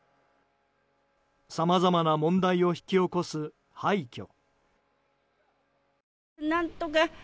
さまざまな問題を引き起こす廃虚。